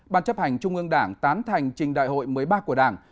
ban chấp hành trung ương đảng tán thành trình đại hội mới bác của đảng